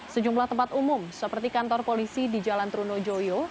sejumlah tempat umum seperti kantor polisi di jalan trunojoyo